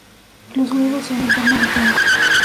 Los huevos son en forma de pera.